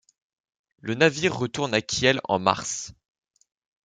Le navire retourne à Kiel en mars.